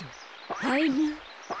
はい！